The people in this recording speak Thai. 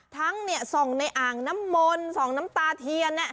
ทั้งสองในอ่างน้ำมนต์ส่องน้ำตาเทียน